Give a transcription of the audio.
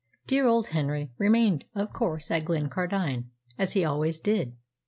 "Dear old Henry" remained, of course, at Glencardine, as he always did.